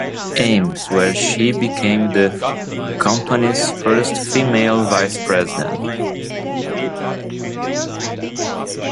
Ames, where she became the company's first female vice president.